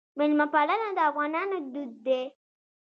میلمه پالنه د افغانانو دود دی